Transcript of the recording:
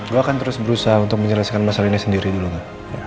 gue akan terus berusaha untuk menyelesaikan masalah ini sendiri dulu kan